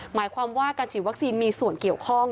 หมายความว่าการฉีดวัคซีนมีส่วนเกี่ยวข้อง